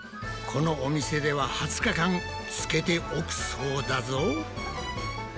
このお店では２０日間つけておくそうだぞ。